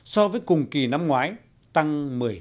so với cùng kỳ năm ngoái tăng một mươi sáu